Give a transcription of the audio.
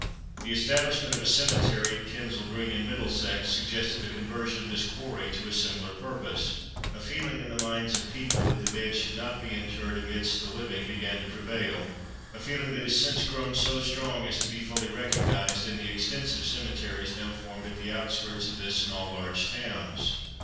The establishment of a cemetery at Kensal Green in Middlesex, suggested the conversion of this quarry to a similar purpose. A feeling in the minds of people that the dead should not be interred amidst the living, began to prevail a feeling that has since grown so strong as to be fully recognised in the extensive cemeteries now formed at the outskirts of this and all large towns.